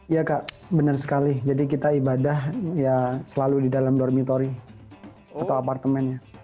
ya kak benar sekali jadi kita ibadah ya selalu di dalam dormitori atau apartemennya